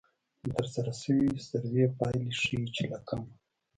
د ترسره شوې سروې پایلې ښيي چې له کم